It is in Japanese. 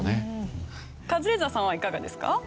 カズレーザーさんはいかがですか？